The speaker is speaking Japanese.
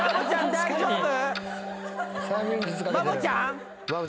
大丈夫？